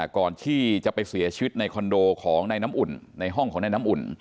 ก่อนที่จะไปเสียชีวิตในคอนโดของในน้ำอุ่นในห้องของนายน้ำอุ่น